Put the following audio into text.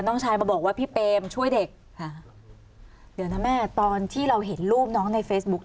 น้องชายมาบอกว่าพี่เปมช่วยเด็กค่ะเดี๋ยวนะแม่ตอนที่เราเห็นรูปน้องในเฟซบุ๊ค